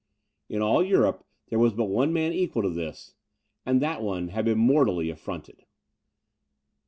In all Europe, there was but one man equal to this, and that one had been mortally affronted.